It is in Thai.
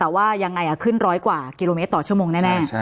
แต่ว่ายังไงขึ้นร้อยกว่ากิโลเมตรต่อชั่วโมงแน่